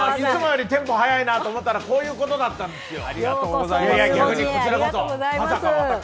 いつもよりテンポ速いなと思ったら、こういうことだったんですよ。